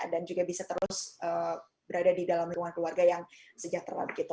dan juga bisa terus berada di dalam lingkungan keluarga yang sejahtera